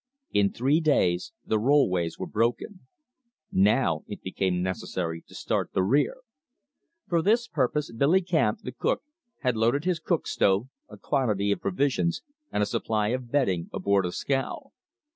In three days the rollways were broken. Now it became necessary to start the rear. For this purpose Billy Camp, the cook, had loaded his cook stove, a quantity of provisions, and a supply of bedding, aboard a scow.